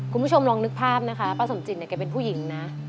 คุณผู้ชมลองนึกภาพนะคะป้าสมจิตเนี่ยแกเป็นผู้หญิงนะ